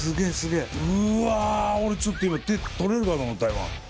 うわ俺ちょっと手取れるかと思った今。